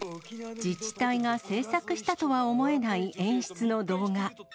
自治体が制作したとは思えない演出の動画。